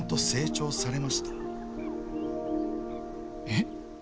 えっ？